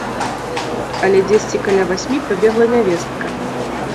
Але дзесьці каля васьмі прыбегла нявестка.